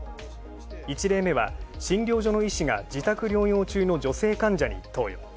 １例目は診療所の医師が自宅療養中の女性患者に投与。